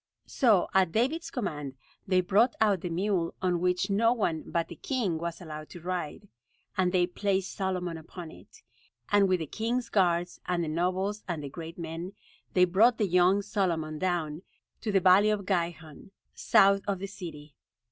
So at David's command they brought out the mule on which no one but the king was allowed to ride; and they placed Solomon upon it; and with the king's guards, and the nobles, and the great men, they brought the young Solomon down to the valley of Gihon, south of the city.